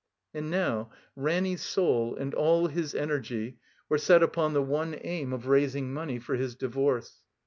And now Ranny's soul and all his energy were set upon the one aim of raising money for his divorce.